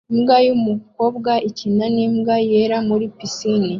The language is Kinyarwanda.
Imbwa yumukobwa ikina nimbwa yera muri pisine